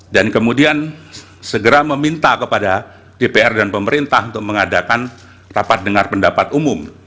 dan kemudian segera meminta kepada dpr dan pemerintah untuk mengadakan rapat dengar pendapat umum